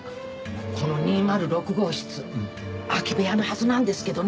この２０６号室空き部屋のはずなんですけどね